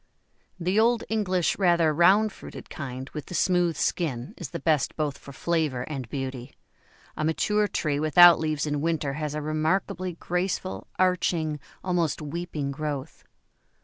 The old English rather round fruited kind with the smooth skin is the best both for flavour and beauty a mature tree without leaves in winter has a remarkably graceful, arching, almost weeping growth.